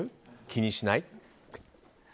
気にしない？